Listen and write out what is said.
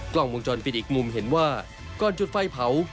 กล้องวงจรปิดอีกมุมเห็นว่าก่อนจุดไฟเผา